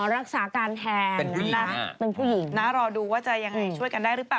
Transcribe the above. รักษาการแทนเป็นผู้หญิงนะรอดูว่าจะยังไงช่วยกันได้หรือเปล่า